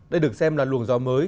đây được xem là luồng gió mới